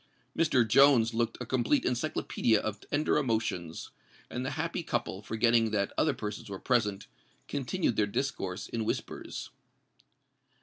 Mr. Jones looked a complete encyclopædia of tender emotions; and the happy couple, forgetting that other persons were present, continued their discourse in whispers.